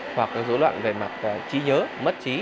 hoặc có dỗ loạn về mặt trí nhớ mất trí